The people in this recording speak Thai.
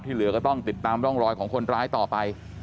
เหลือก็ต้องติดตามร่องรอยของคนร้ายต่อไป